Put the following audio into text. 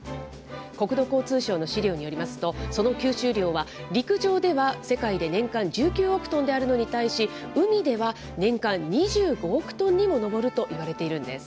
国土交通省の資料によりますと、その吸収量は、陸上では世界で年間１９億トンであるのに対し、海では年間２５億トンにも上るといわれているんです。